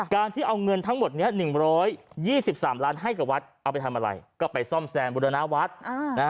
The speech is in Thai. การที่เอาเงินทั้งหมดนี้๑๒๓ล้านให้กับวัดเอาไปทำอะไรก็ไปซ่อมแซมบุรณวัฒน์